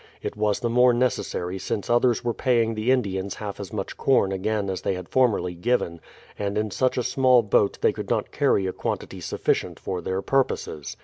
It was the more necessary since others were paying the In dians half as much corn again as they had formerly given, and in such a small boat they could not carry a quantity sufficient for their purposes.